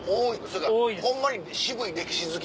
それかホンマに渋い歴史好き？